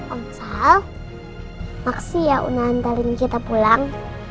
om sal makasih ya unah antarin kita pulang